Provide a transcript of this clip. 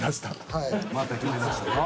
また決めだしたぞ。